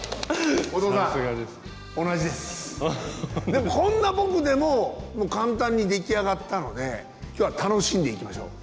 でもこんな僕でも簡単に出来上がったので今日は楽しんでいきましょう。